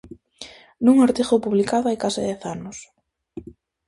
Nun artigo publicado hai case dez anos.